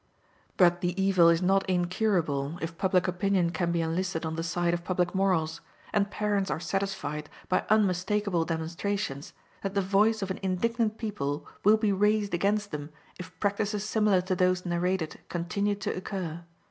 But the evil is not incurable, if public opinion can be enlisted on the side of public morals, and parents are satisfied, by unmistakable demonstrations, that the voice of an indignant people will be raised against them if practices similar to those narrated continue to occur.